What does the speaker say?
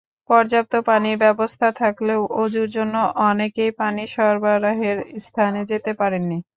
পর্যাপ্ত পানির ব্যবস্থা থাকলেও অজুর জন্য অনেকেই পানি সরবরাহের স্থানে যেতে পারেননি।